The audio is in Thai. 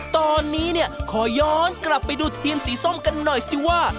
ตอนนี้เนี่ยขอย้อนกลับไปดูทีมสีส้มกันหน่อยสิว่า